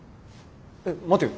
えっ待てよ。